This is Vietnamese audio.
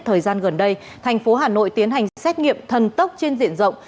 thời gian gần đây tp hcm tiến hành xét nghiệm thần tốc trên diện rộng